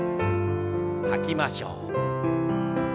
吐きましょう。